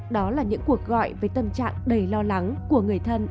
đó là những cuộc gọi về tâm trạng đầy lo lắng của người thân